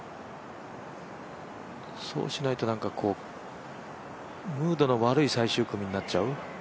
そうしないとなんかムードの悪い最終組になっちゃう。